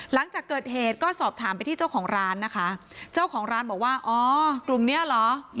หลังจากเกิดเหตุก็สอบถามไปที่เจ้าของร้านนะคะเจ้าของร้านบอกว่าอ๋อกลุ่มนี้เหรอ